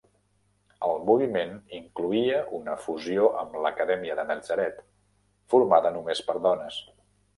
El moviment incloïa una fusió amb l'acadèmia de Natzaret, formada només per dones.